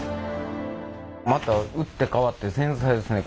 また打って変わって繊細ですね